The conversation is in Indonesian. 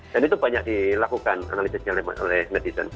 dan itu banyak dilakukan analisisnya oleh netizen